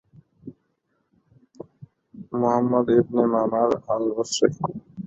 Muhammad ibn Mamar al-Basri